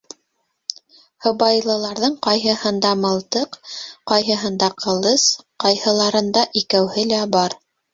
Һыбайлыларҙың ҡайһыһында мылтыҡ, ҡайһыһында ҡылыс, ҡайһыларында икәүһе лә бар.